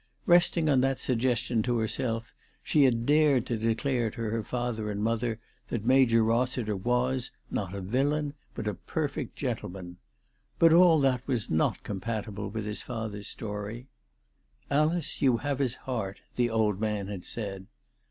Resting on that suggestion to herself, she had dared to declare to her father and mother that Major Rossiter was, not a villain, but a perfect gentleman. But all that was not compatible with .his father's story. " Alice, you have his heart," the old man had said.